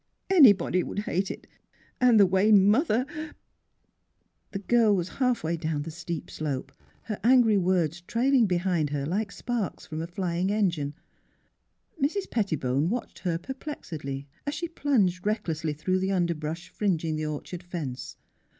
Anybody 'd hate it, and the way mother " APRILING 23 The girl was halfway down the steep slope, her angry words trailing behind her like sparks from a flying engine. Mrs. Pettibone watched her perplexedly as she plunged recklessly through the underbrush fringing the orchard fence.